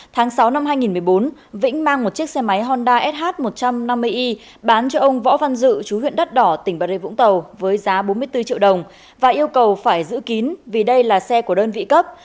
tháng sáu năm hai nghìn một mươi bốn vĩnh mang một chiếc xe máy honda sh một trăm năm mươi y bán cho ông võ văn dự chú huyện đất đỏ tỉnh bà rê vũng tàu với giá bốn mươi bốn triệu đồng và yêu cầu phải giữ kín vì đây là xe của đơn vị cấp